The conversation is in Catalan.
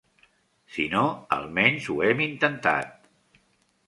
Si no, al menys ho hem intentat.